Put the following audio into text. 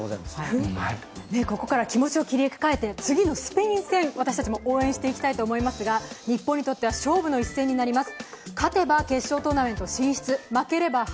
ここから気持ちを切り替えて、次のスペイン戦、私たちも応援していきたいと思いますが日本にとっては勝負の一戦となります。